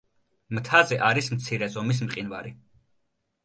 მთაზე არის მცირე ზომის მყინვარი.